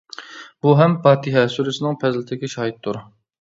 بۇ ھەم «فاتىھە» سۈرىسىنىڭ پەزىلىتىگە شاھىتتۇر.